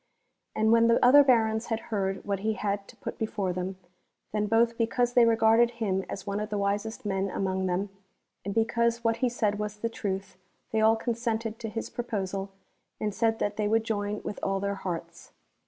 And when the other Barons had heard what he had to put before them, then both because they regarded him as one ot the wisest men among them, and because what he said was the truth, they all consented to his proposal and said that they woidd join with all their hearts.